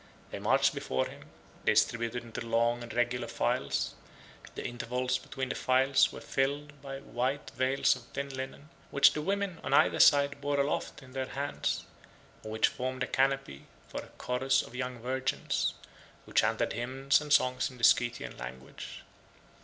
They marched before him, distributed into long and regular files; the intervals between the files were filled by white veils of thin linen, which the women on either side bore aloft in their hands, and which formed a canopy for a chorus of young virgins, who chanted hymns and songs in the Scythian language.